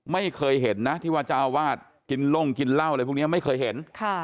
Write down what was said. ไม่เคยเห็นนะที่ว่าเจ้าอาวาสกินล่งกินเหล้าอะไรพวกนี้ไม่เคยเห็น